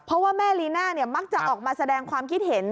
เพราะว่าแม่ลีน่ามักจะออกมาแสดงความคิดเห็น